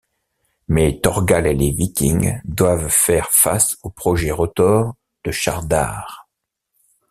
Mais Thorgal et les Vikings doivent faire face aux projets retors de Shardar.